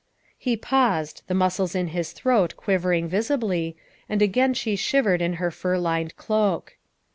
'' He paused, the muscles in his throat quivering visibly, and a?ain she shivered in her fur lined cloak.